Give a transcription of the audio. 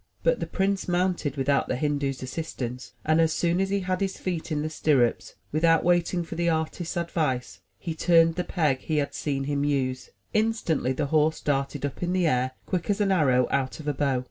But the prince mounted without the Hindu's assistance; and as soon as he had his feet in the stirrups, with out waiting for the artist's advice, he turned the peg he had seen him use. Instantly the horse darted up in the air quick as an arrow out of a bow.